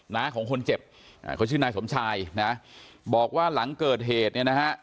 น้าของคนเจ็บอ่าเขาชื่อนายสมชายนะบอกว่าหลังเกิดเหตุเนี่ยนะฮะ